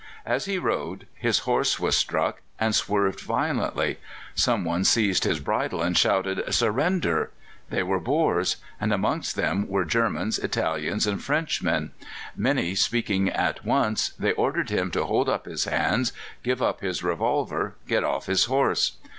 As he rode his horse was struck, and swerved violently; some one seized his bridle and shouted "Surrender!" They were Boers, and amongst them were Germans, Italians, and Frenchmen. Many speaking at once, they ordered him to hold up his hands, give up his revolver, get off his horse.